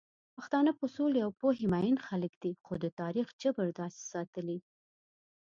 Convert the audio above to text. پښتانه په سولې او پوهې مئين خلک دي، خو د تاريخ جبر داسې ساتلي